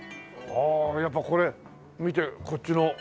ああやっぱこれ見てこっちのねっ。